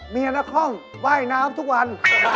นครว่ายน้ำทุกวัน